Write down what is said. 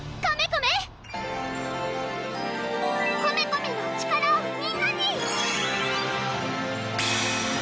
コメコメの力をみんなに！